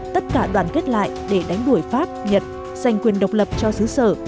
tất cả đoàn kết lại để đánh đuổi pháp nhật giành quyền độc lập cho xứ sở